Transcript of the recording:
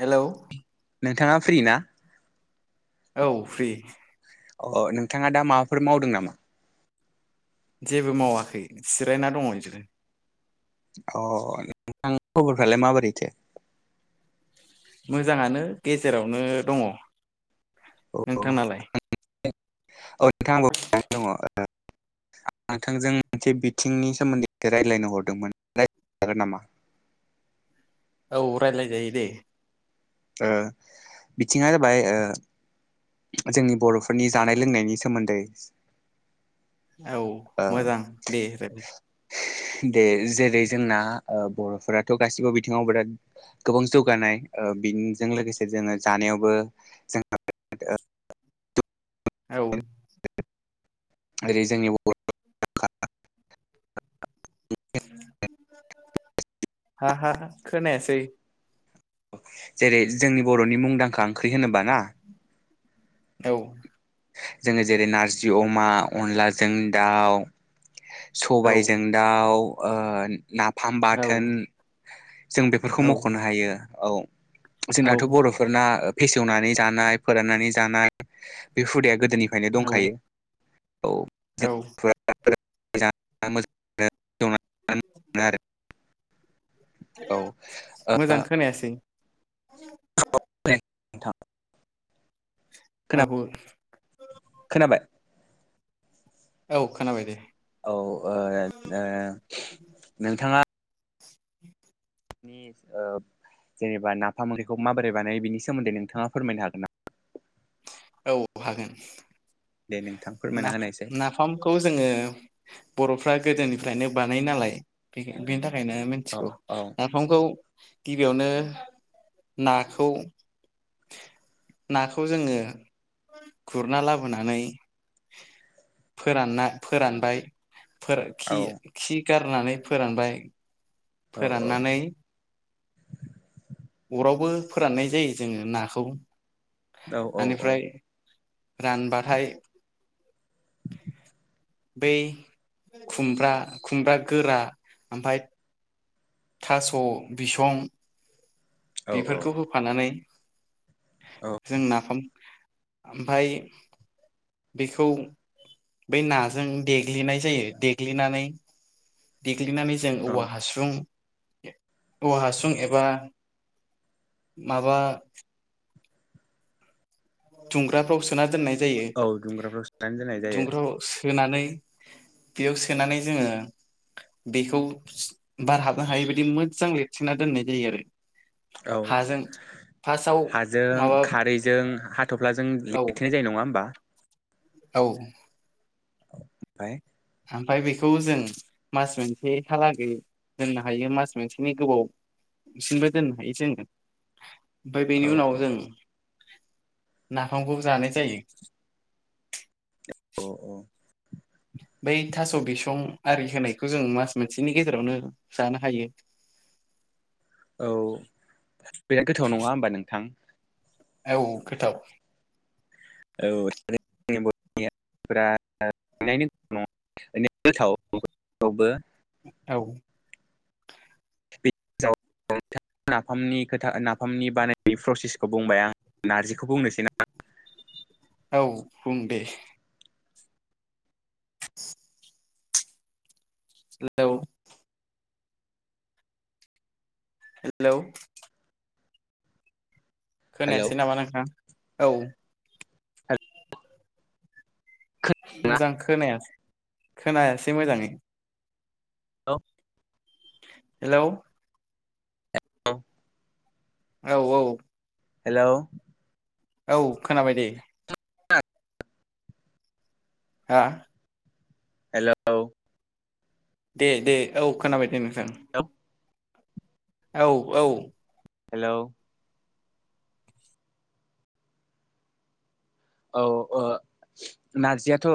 Hello नोंथाङा free ना? औ फ्रि अ नोंथाङा दा माबाफोर मावदों नामा? जेबो मावाखै जिरायना दङ बिदिनो। अ नोंथां खबरफ्रालाय माबोरैथो? मोजाङानो गेजेरावनो दङ। अ नोंथांनालाय? [inaudible] नोंथांजों मोनसे बिथिंनि सोमोन्दैसे रायज्लायनो हरदोंमोन रायलायजागोन नामा? औ रायलाय जायो दे। ओ बिथिङा जाबाय ओ जोंनि बर' फोरनि जानाय लोंनायनि सोमोन्दै औ मोजां दे दे जेरै जोंना अ बर' फोराथ' गासिबो बिथिङाव बिराद गोबां जौगानाय ओ बेजों लोगोसे जोङो जानायावबो जों [inaudible] औ [inaudible] ओरै जोंनि बर' हा हा खोनायासै जेरै जोंनि बरनि मुंदांखा ओंख्रि होनोबा ना औ जोङो जेरै नारजि अमा अनलाजों दाउ औ सबायजों दाउ आ नाफाम औ बाथोन जों बेफोरखौ औ मख'नो हायो औ औ जोंनाथ' बर'फोरना फेसेवनानै जानाय फोराननानै जानाय बे हुदाया गोद दोनिफ्रायनो औ दंखायो औ औ मोजां [inaudible] आ आरो [inaudible] औ आ मोजां खोनायासै [inaudible] नथां औअ खोनाबाय औ खोनाबाय दे औ अं आ नोंथाङा [inaudible] अ जेनेबा नाफाम मख्रिखौ माबोरै बानायो बिनि सोमोन्दै नोंथाङा फोरमायनो हागोन नामा औ हागोन दे नोंथां फोरमायना नाफाम होनायसै नाफामखौ जोङो बर'फ्रा गोदोनिफ्रायनो बानाय नालाय बेखो बेनि थाखाय थाखायनो औ मिनथिगौ औ नाफामखौ गिबियावनो नाखौ नाखौ जोङो गुरना लाबोनानै फोरानना फोरानबाय फोर औ खि औ खि गारनानै फोरानबाय फोराननानै अरावबो फोराननाय जायो जोङो नाखौ औ औ औ रान बाथाय बै खुमब्रा खुमब्रा गोरा ओमफाय थास' बिसं औ बेफोरखौ होफानानै औ जों नाफाम ओमफाय बेखौ बै नाजों देग्लिनाय जायो देग्लिनानै ग्लिनानै जों औ औवा हासुं औव हासुं एबा माबा दुंग्राफ्राव सो सोना दोननाय जायो औ दुंग्राफ्राव सोनानै दोननाय जायो दुंग्राव सो सोनानै बेयाव सोनानै जोङो बेखौ बारहाबनो हायै बायदि मोजां लिरथेना दोननाय जायो आरो। औ हाजों फार्स्टआव हाजों माबा खारैजों हा थफ्लाजों लि औ लिरथेनाय जायो नङा होमबा? औ। ओमफाय ओमफाय बेखौ जों मास मोनसेहालागै दोननो हायो मास मोनसेनि गोबावसिनबो दोननो हायो जोङो। ओमफाय औ बेनि औ उनाव जों नाफामखौ जानाय जायो। अ अ। बै थास' बिसं आरि होनायखौ जों मास मोनसेनि गेजेरावनो जानो हायो। औ बिराद गोथाव नङा होमबा नोंथां? औ गोथाव। औ [unintelligible] औ। [unintelligible] नाफामनि खोथा नाफामनि बानायनाय प्रसेसखौ बुंबाय आं नारजिखौ बुंनोसै ना? औ बुं दे [inaudible] हेलौ हेलौ हेलौ खोनायासै नामा नोंथां? औ हेलौ मोजां खोनायासै। खोनायासै मोजाङै। हेलौ हेलौ औ औ। हेलौ औ खोनाबाय दे। हा हेलौ। दे दे औ खोनाबाय दे नों [unintelligible] औ औ हेलौ औ ओ नारजियाथ' ओ